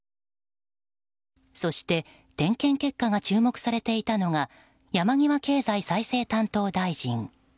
そして点検結果が注目されていたのが山際経済再生担当大臣。